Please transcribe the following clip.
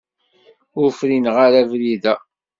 Ur frineɣ ara abrid-a.